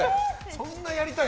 そんなやりたい？